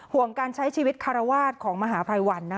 ห่วงการใช้ชีวิตคารวาสของมหาภัยวันนะ